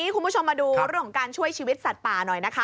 คุณผู้ชมมาดูเรื่องของการช่วยชีวิตสัตว์ป่าหน่อยนะคะ